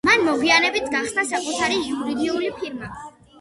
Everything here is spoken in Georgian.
მან მოგვიანებით გახსნა საკუთარი იურიდიული ფირმა.